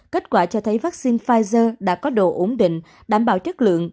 kết quả cho thấy vaccine pfizer đã có đồ ổn định đảm bảo chất lượng